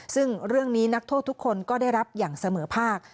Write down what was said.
ซึ่งเรื่องนี้นักโทษทุกคนก็ได้รับอย่างเสมอภาค